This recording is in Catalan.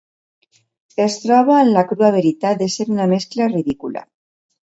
Es troba amb la crua veritat de ser una mescla ridícula.